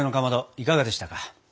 いかがでしたか？